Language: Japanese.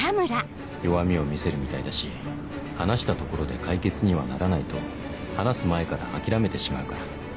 弱みを見せるみたいだし話したところで解決にはならないと話す前から諦めてしまうから